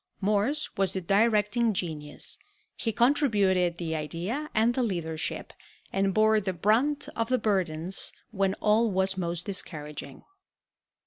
Morse was the directing genius; he contributed the idea and the leadership, and bore the brunt of the burdens when all was most discouraging.